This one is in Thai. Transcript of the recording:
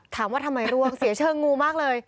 ถามว่าทำไมร่วงเสียเชิงงูมากเลย